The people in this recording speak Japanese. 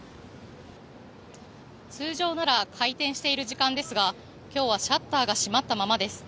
通常なら開店している時間ですが今日はシャッターが閉まったままです。